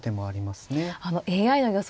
あのＡＩの予想